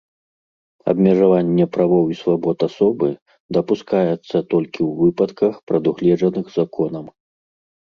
Абмежаванне правоў і свабод асобы дапускаецца толькі ў выпадках, прадугледжаных законам.